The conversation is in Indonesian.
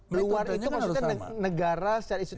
luar itu maksudnya negara secara institusi atau asap atau apa